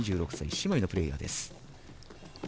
姉妹のプレーヤーです。